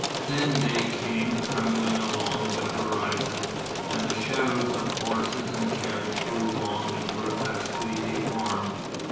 Then day came trembling along the horizon, and the shadows of horses and carriage grew long and grotesquely deformed.